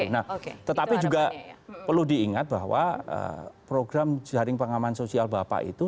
nah tetapi juga perlu diingat bahwa program jaring pengaman sosial bapak itu